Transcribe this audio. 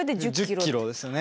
１０キロですよね。